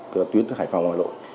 của tuyến hải phòng hà nội